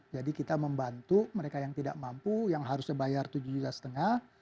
jadi kita membantu mereka yang tidak mampu yang harusnya bayar tujuh juta setengah